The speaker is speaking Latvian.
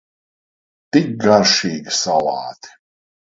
Tik garšīgi salāti!